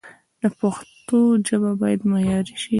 د پښتو ژبه باید معیاري شي